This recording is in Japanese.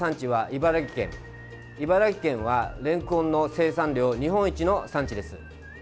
茨城県はれんこんの生産量日本一の産地です。